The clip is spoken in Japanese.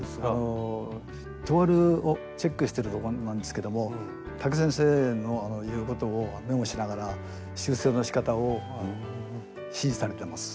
トワルをチェックしてるところなんですけどもタケ先生の言うことをメモしながら修正のしかたを指示されてます。